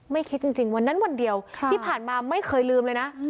คิดจริงวันนั้นวันเดียวที่ผ่านมาไม่เคยลืมเลยนะ